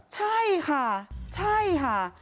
ใช่ค่ะใช่ค่ะ